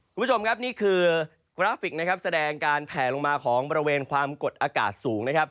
คุณผู้ชมครับนี่คือกราฟิกนะครับแสดงการแผลลงมาของบริเวณความกดอากาศสูงนะครับ